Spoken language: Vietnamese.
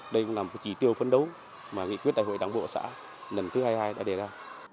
đây cũng là một chỉ tiêu phấn đấu mà nghị quyết đại hội đảng bộ xã lần thứ hai mươi hai đã đề ra